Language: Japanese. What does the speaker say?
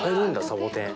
サボテン。